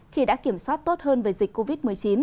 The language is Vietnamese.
khi đã kiểm soát tốt hơn về dịch covid một mươi chín